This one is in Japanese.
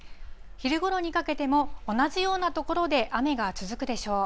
昼ごろにかけても、同じような所で雨が続くでしょう。